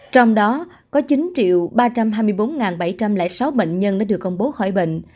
trong đó có chín ba trăm hai mươi bốn bảy trăm linh sáu bệnh nhân đã được công bố khỏi bệnh